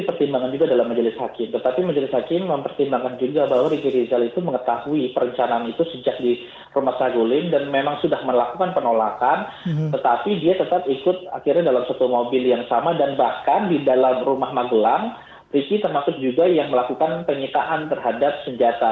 rikki termasuk juga yang melakukan penyekaan terhadap senjata